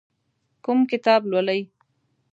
کوم کتاب لولئ؟